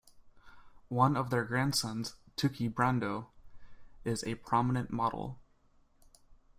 One of their grandsons, Tuki Brando, is a prominent model.